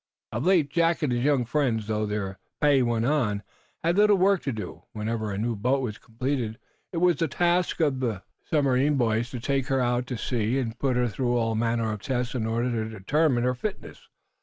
Of late Jack and his young friends, though their pay went on, had little work to do. Whenever a new boat was completed it was the task of the submarine boys to take her out to sea and put her through all manner of tests in order to determine her fitness.